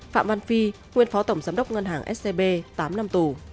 phạm văn phi nguyên phó tổng giám đốc ngân hàng scb tám năm tù